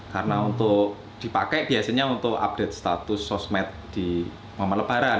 karena untuk dipakai biasanya untuk update status sosmed di momen lebaran